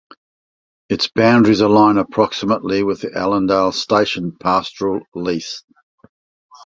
Its boundaries align approximately with the Allandale Station pastoral lease.